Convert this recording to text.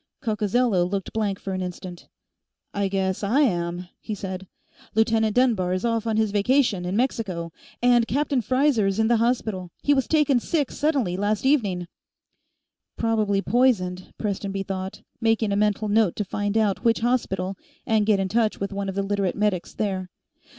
Coccozello looked blank for an instant. "I guess I am," he said. "Lieutenant Dunbar's off on his vacation, in Mexico, and Captain Freizer's in the hospital; he was taken sick suddenly last evening." Probably poisoned, Prestonby thought, making a mental note to find out which hospital and get in touch with one of the Literate medics there.